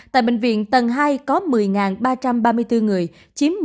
tại bệnh viện tầng hai có một mươi ba trăm ba mươi bốn người chiếm một mươi ba năm